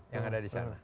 yang ada di sana